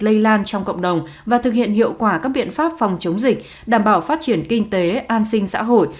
lây lan trong cộng đồng và thực hiện hiệu quả các biện pháp phòng chống dịch đảm bảo phát triển kinh tế an sinh xã hội